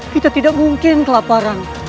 kita tidak mungkin kelaparan